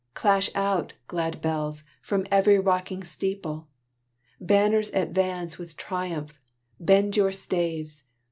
Clash out, glad bells, from every rocking steeple! Banners, adance with triumph, bend your staves!